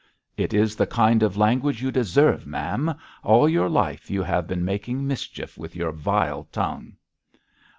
'It is the kind of language you deserve, ma'am. All your life you have been making mischief with your vile tongue!'